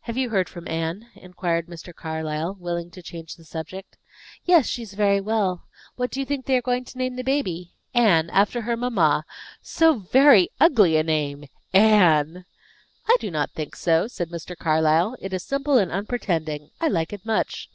"Have you heard from Anne?" inquired Mr. Carlyle, willing to change the subject. "Yes, she is very well. What do you think they are going to name the baby? Anne; after her mamma. So very ugly a name! Anne!" "I do not think so," said Mr. Carlyle. "It is simple and unpretending, I like it much.